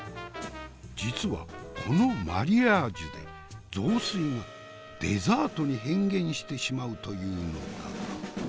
実はこのマリアージュで雑炊がデザートに変幻してしまうというのだが？